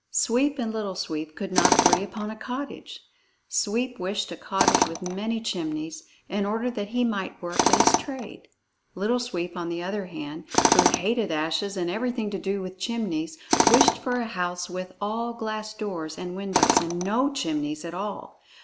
Sweep and Little Sweep could not agree upon a cottage. Sweep wished a cottage with many chimneys, in order that he might work at his trade. Little Sweep, on the other hand, who hated ashes and everything to do with chimneys, wished for a house with all glass doors and windows and no chimneys at all!